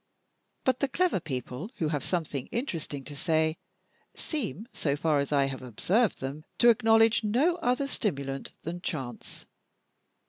But the clever people who have something interesting to say, seem, so far as I have observed them, to acknowledge no other stimulant than chance.